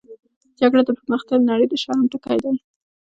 جګړه د پرمختللې نړۍ د شرم ټکی دی